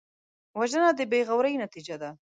وژنه د بېغورۍ نتیجه ده